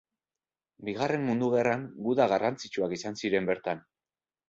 Bigarren Mundu Gerran guda garrantzitsuak izan ziren bertan.